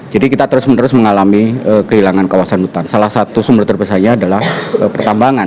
jadi kita terus menerus mengalami kehilangan kawasan hutan salah satu sumber terbesarnya adalah pertambangan